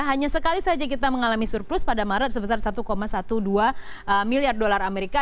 hanya sekali saja kita mengalami surplus pada maret sebesar satu dua belas miliar dolar amerika